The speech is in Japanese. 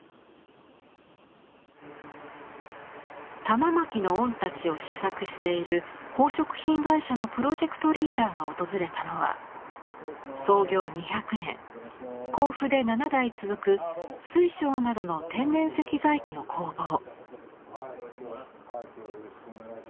玉纏御太刀を試作している宝飾品会社のプロジェクトリーダーが訪れたのは創業２００年甲府で７代続く水晶などの天然石細工の工房。